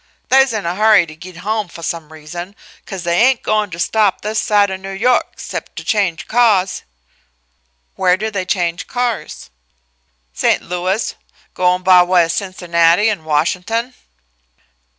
They's in a hurry to git home foh some reason, 'cause they ain' goin' to stop this side o' New York, 'cept to change cahs." "Where do they change cars?" "St. Louis goin' by way of Cincinnati an' Washin'ton."